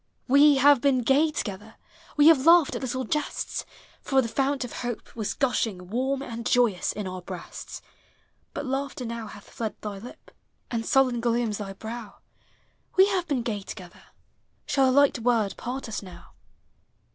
We have been gay together ; We have laughed at little jests; For the fount of hope was gushing Warm and joyous in our breasts, But laughter now hath tied thy lip, And sullen glooms thy brow; We have been gay together, Shall a light word part us now?